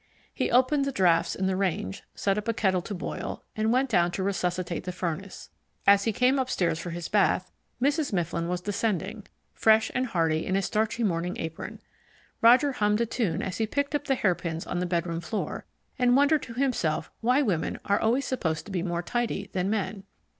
He opened the draughts in the range, set a kettle on to boil, and went down to resuscitate the furnace. As he came upstairs for his bath, Mrs. Mifflin was descending, fresh and hearty in a starchy morning apron. Roger hummed a tune as he picked up the hairpins on the bedroom floor, and wondered to himself why women are always supposed to be more tidy than men.